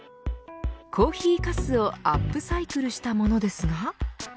コーヒーかすをアップサイクルしたものですが。